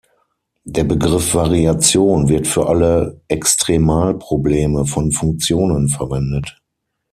Der Begriff "Variation" wird für alle Extremal-Probleme von Funktionen verwendet.